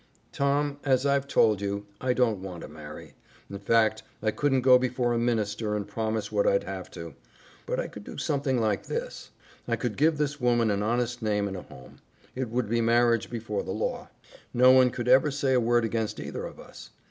"Tom, as I've told you, I don't want to marry. In fact, I couldn't go before a minister and promise what I'd have to. But I could do something like this. I could give this woman an honest name and a home. It would be marriage before the law. No one could ever say a word against either of us.